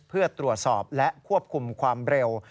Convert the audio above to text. เพื่อตรวจสอบและควบคุมความเร็ว